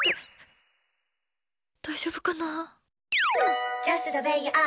大丈夫かな。